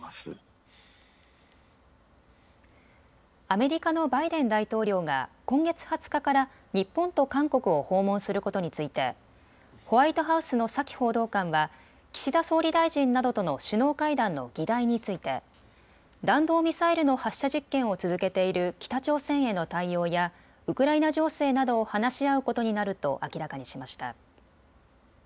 アメリカのバイデン大統領が今月２０日から日本と韓国を訪問することについてホワイトハウスのサキ報道官は岸田総理大臣などとの首脳会談の議題について弾道ミサイルの発射実験を続けている北朝鮮への対応やウクライナ情勢などを話し合うことになると明らかにしました。